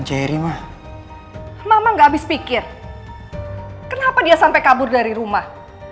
jerry mah mama nggak habis pikir kenapa dia sampai kabur dari rumah